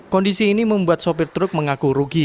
kondisi ini membuat sopir truk mengaku rugi